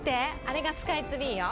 あれがスカイツリーよ。